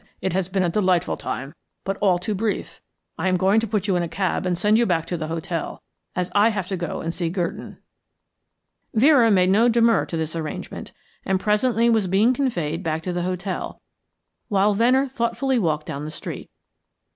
"It has been a delightful time, but all too brief. I am going to put you in a cab and send you back to the hotel, as I have to go and see Gurdon." Vera made no demur to this arrangement, and presently was being conveyed back to the hotel, while Venner thoughtfully walked down the street.